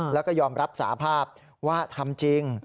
แล้วก็ยอมรับสาภาพว่าทำจริง